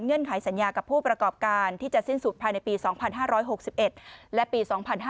ไขสัญญากับผู้ประกอบการที่จะสิ้นสุดภายในปี๒๕๖๑และปี๒๕๕๙